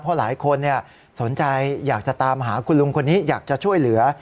เพราะหลายคนสนใจอยากจะตามหาคุณลุงคนนี้อยากจะช่วยเหลือ